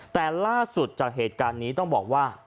แต่ล่าสุดจากเหตุการณ์นี้ต้องบอกว่า